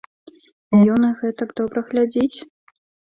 І ён іх гэтак добра глядзіць?